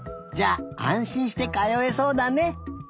じゃああんしんしてかよえそうだね。